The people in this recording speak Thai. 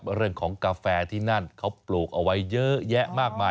เรื่องของกาแฟที่นั่นเขาปลูกเอาไว้เยอะแยะมากมาย